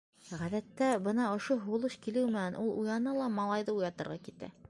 Ғәҙәттә бына ошо һулыш килеү менән ул уяна ла малайҙы уятырға китә.